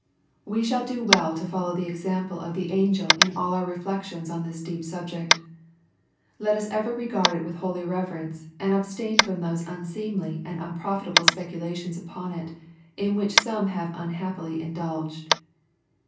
We shall do well to follow the example of the angei LUKE, CHAP. I. 27 in all our reflections on this deep subject. Let us ever regard it with holy reverence, and abstain from those unseemly and uprofitable speculations upon it, in which some have unhappily indulged.